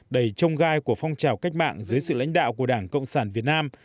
đầy trông gai của phong trào cách mạng dưới sự lãnh đạo của đảng cộng sản việt nam